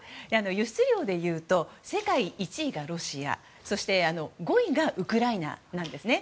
輸出量でいうと世界１位がロシアそして５位がウクライナなんですね。